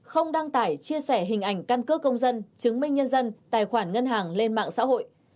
không đăng tải chia sẻ hình ảnh căn cước công dân chứng minh nhân dân tài khoản ngân hàng lên mạng xã hội